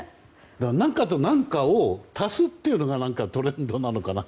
何かと何かを足すというのがトレンドなのかな？